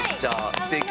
すてき。